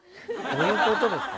どういうことですか？